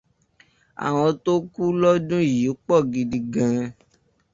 Àwọn tó kú lọdún yìí pọ̀ gidi gan-an.